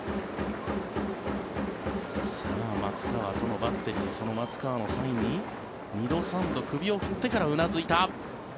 松川とのバッテリーその松川のサインに２度、３度首を振ってからうなずいた。